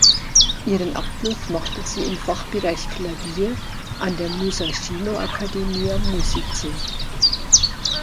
Ihren Abschluss machte sie im Fachbereich Klavier an der Musashino Academia Musicae.